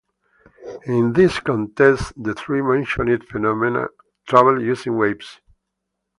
In this context, the three mentioned phenomena travel using waves.